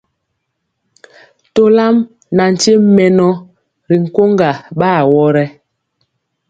Tolam na nkye mɛnɔ ri nkoŋga ɓa awɔ rɛ.